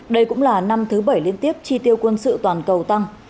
đây cũng là năm thứ bảy liên tiếp chi tiêu quân sự toàn cầu tăng